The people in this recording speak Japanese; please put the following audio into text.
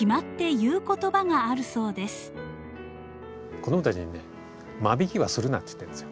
子供たちに「間引きはするな」って言ってるんですよ。